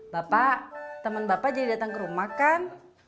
bapak teman bapak jadi datang ke rumah kan